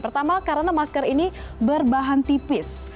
pertama karena masker ini berbahan tipis